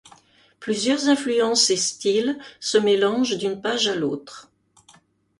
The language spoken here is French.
Plusieurs influences et styles se mélangent d'une page à l'autre.